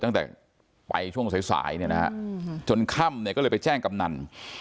ตั้งแต่ไปช่วงสายจนค่ำก็เลยไปแจ้งกำนัน